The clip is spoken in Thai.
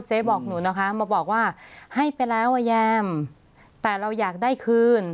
บอกหนูนะคะมาบอกว่าให้ไปแล้วอ่ะแยมแต่เราอยากได้คืน